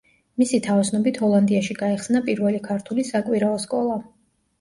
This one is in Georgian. მისი თაოსნობით ჰოლანდიაში გაიხსნა პირველი ქართული საკვირაო სკოლა.